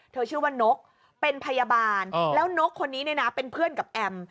เธอชื่อว่านกเป็นพยาบาลแล้วนกคนนี้เป็นเพื่อนกับแอม